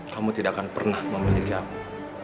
kamu tidak akan pernah memiliki aku